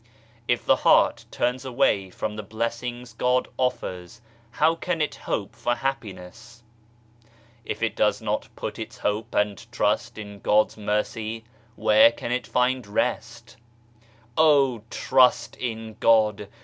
If the heart turns away from the blessings God offers how can it hope for happiness ? If it does not put its hope and trust in God's Mercy, where can it find rest ? Oh, trust in God